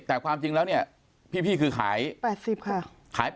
แต่ความจริงแล้วเนี่ยพี่คือขาย๘๐ค่ะ